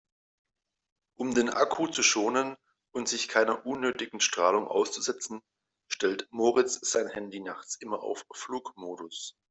Um den Akku zu schonen und sich keiner unnötigen Strahlung auszusetzen, stellt Moritz sein Handy nachts immer auf Flugmodus.